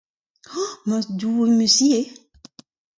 Oh ma Doue, ma zi eo!